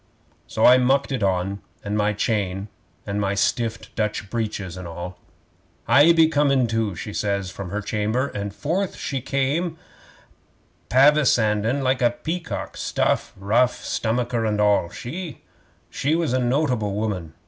'So I mucked it on, and my chain, and my stiffed Dutch breeches and all. '"I be comin', too," she says from her chamber, and forth she come pavisandin' like a peacock stuff, ruff, stomacher and all. She was a notable woman.